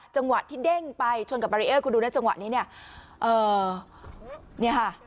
จังหวะที่เด้งไปชนกับบารีเออร์คุณดูนะจังหวะนี้เนี่ย